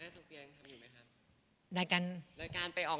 แม่โซเฟียยังทำอยู่ไหมครับ